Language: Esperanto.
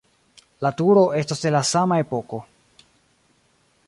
La turo estas de la sama epoko.